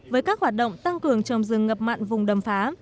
với các hoạt động tăng cường trồng rừng ngập mặn vùng đầm phá